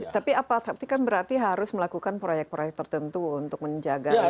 tapi apa tapi kan berarti harus melakukan proyek proyek tertentu untuk menjaga